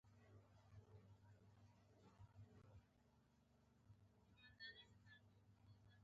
چې هغه د ذاتي ارزښت لرونکی وګڼو.